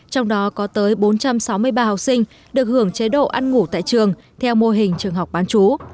trong đó có tới bốn trăm sáu mươi ba học sinh được hưởng chế độ ăn ngủ tại trường theo mô hình trường học bán chú